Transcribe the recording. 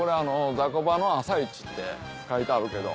「ざこばの朝市」って書いてあるけど。